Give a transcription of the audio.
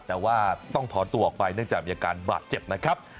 แต่ว่าต้องถอนตัวออกไปเนื่องจากมีอาการบาดเจ็บนะครับ